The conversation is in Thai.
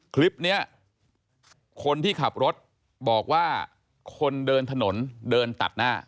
คลิปนี้คนที่ขับรถบอกว่าคนเดินถนนเดินตัดหน้า